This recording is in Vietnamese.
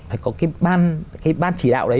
phải có cái ban chỉ đạo đấy